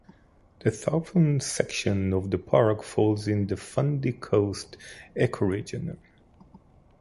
The southern section of the park falls in the Fundy Coast ecoregion.